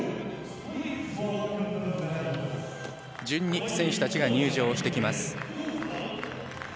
順に選手たちが入場してきます。